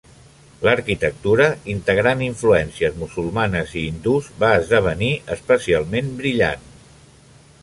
L'arquitectura, integrant influències musulmanes i hindús, va esdevenir especialment brillant.